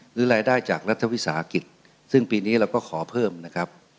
หรือรายได้จากรัฐวิสาหกิจซึ่งปีนี้เราก็ขอเพิ่มนะครับ